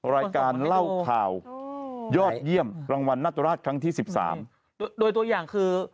ล่าข่าวยอดเยี่ยมจริงหรือ